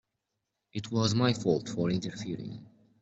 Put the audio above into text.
It was my fault for interfering.